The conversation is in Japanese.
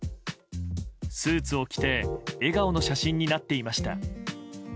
スーツを着て笑顔の写真になっていました。